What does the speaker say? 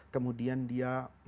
kemudian dia menangis